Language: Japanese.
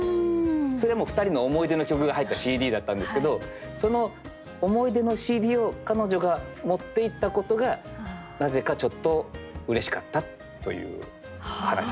それはもう二人の思い出の曲が入ったＣＤだったんですけどその思い出のＣＤを彼女が持って行ったことがなぜかちょっとうれしかったという話でございます。